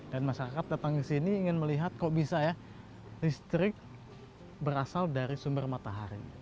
dan masyarakat datang ke sini ingin melihat kok bisa ya listrik berasal dari sumber matahari